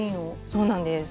そうなんです。